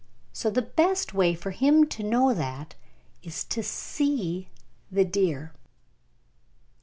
So the best way for him to know that is to see the deer.